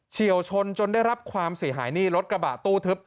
เชี่ยวชนจนได้รับความเสียหายนี่รถกระบะตู้ทึบ